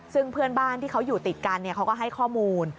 ซึ่งเพื่อนบ้านที่เขาอยู่ติดกันเขาก็ให้ข้อมูล